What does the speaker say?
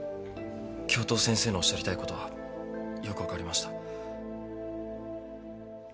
教頭先生のおっしゃりたいことはよく分かりました。